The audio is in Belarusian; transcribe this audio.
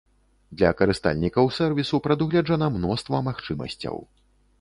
Для карыстальнікаў сэрвісу прадугледжана мноства магчымасцяў.